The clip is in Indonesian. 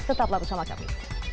tetap lalu sama kami